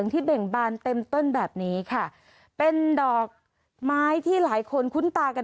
เบ่งบานเต็มต้นแบบนี้ค่ะเป็นดอกไม้ที่หลายคนคุ้นตากัน